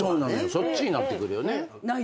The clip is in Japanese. そっちになってくるよね。